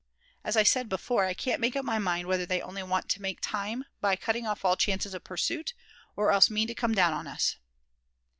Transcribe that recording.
As I said before, I can't make up my mind whether they only want to make time by cutting off all chances of pursuit; or else mean to come down on us."